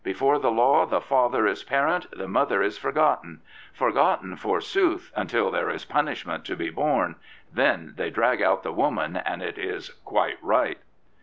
" Before the law the father is parent, the mother is forgotten; forgotten, forsooth, until there is punishment to be borne. Then they drag out the woman and it is ' Quite right.'